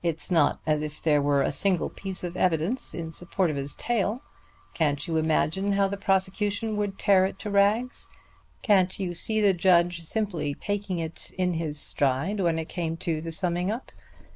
It's not as if there were a single piece of evidence in support of his tale. Can't you imagine how the prosecution would tear it to rags? Can't you see the judge simply taking it in his stride when it came to the summing up?